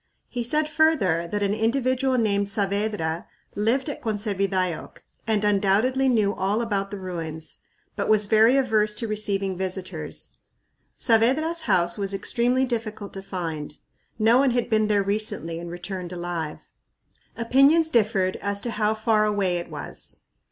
He said further that an individual named Saavedra lived at Conservidayoc and undoubtedly knew all about the ruins, but was very averse to receiving visitors. Saavedra's house was extremely difficult to find. "No one had been there recently and returned alive." Opinions differed as to how far away it was.